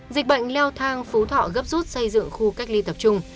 dịch bệnh leo thang phú thọ gấp rút xây dựng khu cách ly tập trung